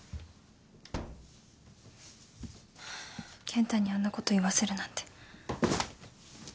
健太にあんなこと言わせるなんて。